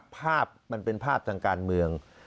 ภาพมันเป็นภาพทางการเมือง